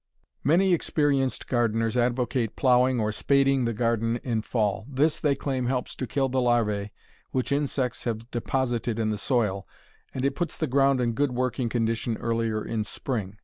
Many experienced gardeners advocate plowing or spading the garden in fall. This, they claim, helps to kill the larvæ which insects have deposited in the soil, and it puts the ground in good working condition earlier in spring.